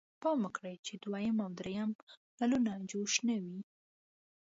پام وکړئ چې دویم او دریم نلونه جوش نه وي.